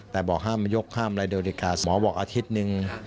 แต่บอกห้ามยกห้ามอะไรเดี๋ยวดีกว่าหมอบอกอาทิตย์นึง